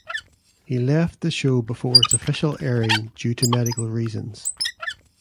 He left the show before its official airing due to medical reasons.